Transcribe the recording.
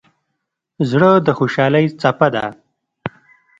زړه د خوشحالۍ څپه ده.